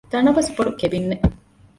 ތަނަވަސް ބޮޑު ކެބިންއެއް